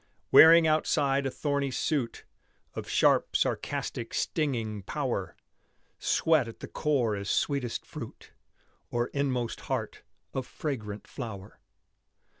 Wearing outside a thorny suit Of sharp, sarcastic, stinging power; Sweet at the core as sweetest fruit, Or inmost heart of fragrant flower.